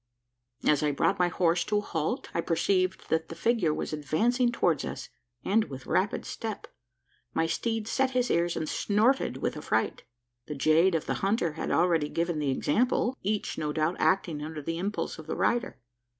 As I brought my horse to a halt, I perceived that the figure was advancing towards us, and with rapid step. My steed set his ears, and snorted with affright. The jade of the hunter had already given the example each, no doubt, acting under the impulse of the rider.